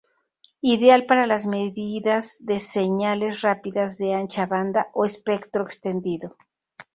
Ideal para las medidas de señales rápidas de ancha banda o espectro extendido.